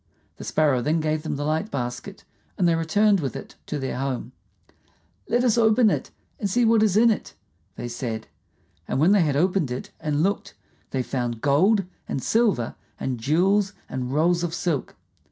The Sparrow then gave them the light basket, and they returned with it to their home. "Let us open and see what is in it," they said. And when they had opened it and looked, they found gold and silver and jewels and rolls of silk.